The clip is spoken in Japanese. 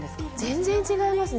全然違いますね。